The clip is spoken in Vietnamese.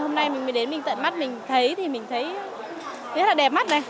hôm nay mình mới đến mình tận mắt mình thấy thì mình thấy rất là đẹp mắt này